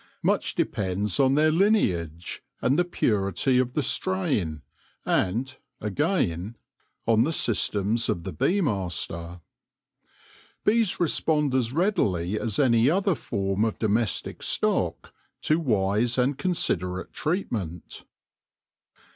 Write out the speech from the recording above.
Much depends on their lineage and the purity of the strain, and, again, on the systems of the bee master. Bees respond as readily as any other form of domestic stock to wise and considerate treatment.